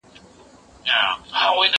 ما د ښوونځي کتابونه مطالعه کړي دي!